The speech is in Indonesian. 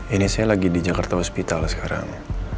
ini saya lagi di jakarta hospital sekarang